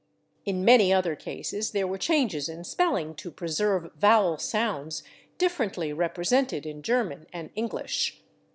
In many other cases there were changes in spelling to preserve vowel sounds differently represented in German and English.